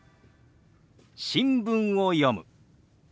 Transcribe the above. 「新聞を読む」。